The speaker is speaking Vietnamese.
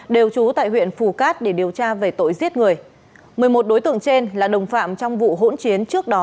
đều trú tại huyện phù cát để điều tra về tội giết người một mươi một đối tượng trên là đồng phạm trong vụ hỗn chiến trước đó